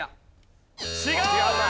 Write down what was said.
違う！